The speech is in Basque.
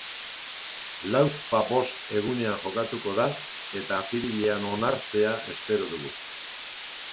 Lauzpabost egunean jokatuko da, eta apirilean onartzea espero dugu.